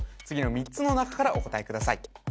次の３つの中からお答えください